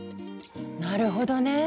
なるほどね。